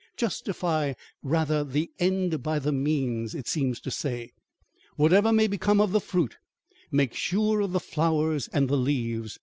Justify rather the end by the means, it seems to say: whatever may become of the fruit, make sure of the flowers and the leaves.